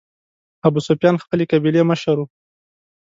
ابوسفیان خپلې قبیلې مشر و.